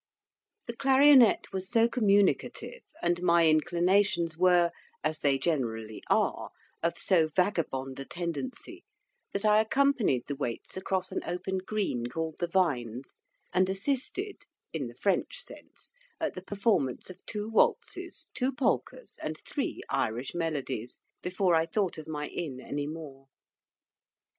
The clarionet was so communicative, and my inclinations were (as they generally are) of so vagabond a tendency, that I accompanied the Waits across an open green called the Vines, and assisted in the French sense at the performance of two waltzes, two polkas, and three Irish melodies, before I thought of my inn any more.